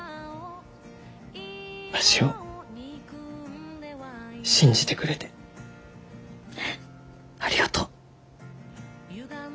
わしを信じてくれてありがとう。